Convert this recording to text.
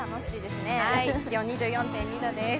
気温２４．２度です。